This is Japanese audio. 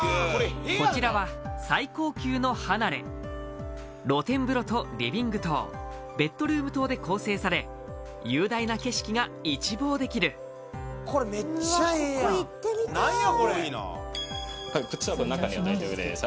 こちらは最高級の離れ露天風呂とリビング棟ベッドルーム棟で構成され雄大な景色が一望できる何やこれこれすごいなこっちは中に大丈夫です